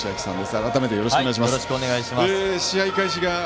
改めてよろしくお願いいたします。